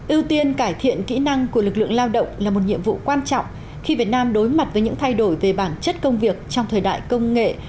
ưu tiên cải thiện kỹ năng của lực lượng lao động là một nhiệm vụ quan trọng khi việt nam đối mặt với những thay đổi về bản chất công việc trong thời đại công nghệ